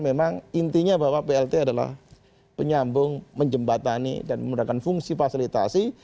memang intinya bahwa plt adalah penyambung menjembatani dan menggunakan fungsi fasilitasi